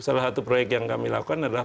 salah satu proyek yang kami lakukan adalah